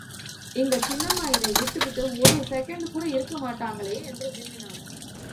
எங்க சின்னம்மா இதை விட்டுப்புட்டு ஒரு செகண்ட் கூட இருக்கமாட்டாங்களே!... என்று விம்மினான்.